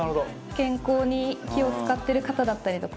健康に気を使ってる方だったりとか。